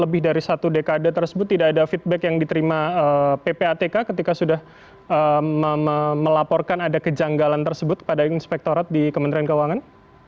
lebih dari satu dekade tersebut tidak ada feedback yang diterima ppatk ketika sudah melaporkan ada kejanggalan tersebut kepada inspektorat di kementerian keuangan